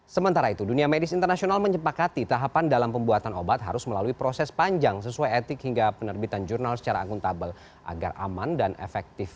sementara itu dunia medis internasional menyepakati tahapan dalam pembuatan obat harus melalui proses panjang sesuai etik hingga penerbitan jurnal secara akuntabel agar aman dan efektif